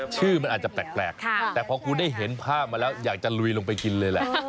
ชื่อมันอาจจะแปลกแต่พอคุณได้เห็นภาพมาแล้วอยากจะลุยลงไปกินเลยแหละ